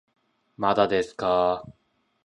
まだですかー